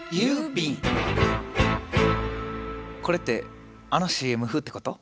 これってあのＣＭ風ってこと？